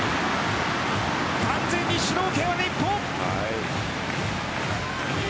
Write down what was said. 完全に主導権は日本。